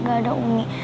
gak ada ummi